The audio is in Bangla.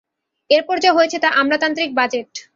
এরপর যা হয়েছে, তা আমলাতান্ত্রিক বাজেট।